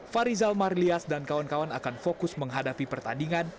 farizal marlias dan kawan kawan akan fokus menghadapi pertandingan